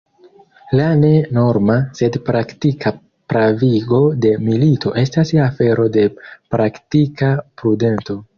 La ne norma, sed praktika pravigo de milito estas afero de praktika prudento.